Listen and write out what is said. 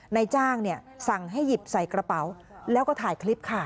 นายจ้างสั่งให้หยิบใส่กระเป๋าแล้วก็ถ่ายคลิปค่ะ